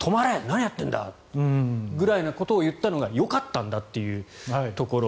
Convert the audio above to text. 何やってんだ！くらいのことを言ったのがよかったんだというところ。